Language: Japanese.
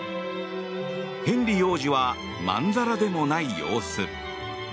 ヘンリー王子はまんざらでもない様子。